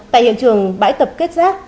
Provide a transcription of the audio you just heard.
tại hiện trường bãi tập kết rác